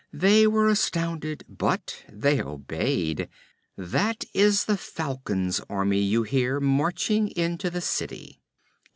'They were astounded, but they obeyed. That is the Falcon's army you hear, marching into the city.'